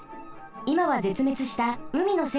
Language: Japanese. いまはぜつめつしたうみのせいぶつです。